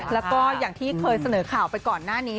แล้วก็อย่างที่เคยเสนอข่าวไปก่อนหน้านี้